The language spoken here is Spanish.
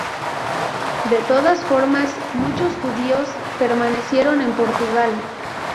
De todas formas, muchos judíos permanecieron en Portugal.